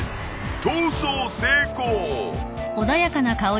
［逃走成功！］